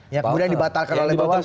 yang dibatalkan oleh bang ferry